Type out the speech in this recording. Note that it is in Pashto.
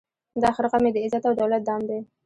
دا خرقه مي د عزت او دولت دام دی